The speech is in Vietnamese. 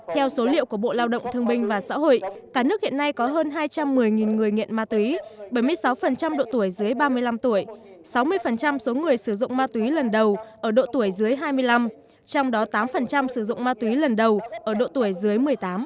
theo số liệu của bộ lao động thương binh và xã hội cả nước hiện nay có hơn hai trăm một mươi người nghiện ma túy bảy mươi sáu độ tuổi dưới ba mươi năm tuổi sáu mươi số người sử dụng ma túy lần đầu ở độ tuổi dưới hai mươi năm trong đó tám sử dụng ma túy lần đầu ở độ tuổi dưới một mươi tám